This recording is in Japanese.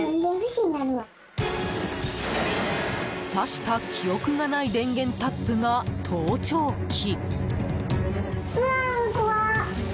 挿した記憶がない電源タップが盗聴器。